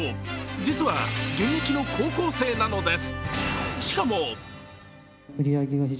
実は現役の高校生なんです。